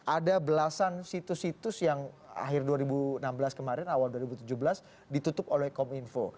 ada belasan situs situs yang akhir dua ribu enam belas kemarin awal dua ribu tujuh belas ditutup oleh kominfo